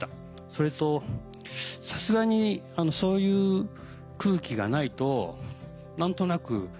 それとさすがにそういう空気がないと何となく。